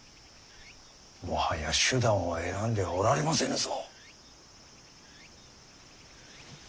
もはや手段を選んではおられませぬぞ。